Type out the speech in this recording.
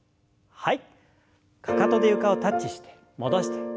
はい。